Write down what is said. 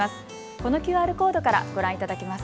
このＱＲコードからご覧いただけます。